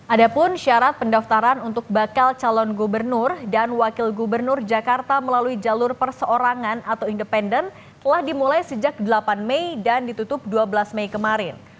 ada pun syarat pendaftaran untuk bakal calon gubernur dan wakil gubernur jakarta melalui jalur perseorangan atau independen telah dimulai sejak delapan mei dan ditutup dua belas mei kemarin